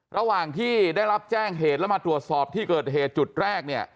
ระหว่างที่ได้รับแจ้งเหตุแล้วมาตรวจสอบที่เกิดเหตุจุดแรกเนี่ย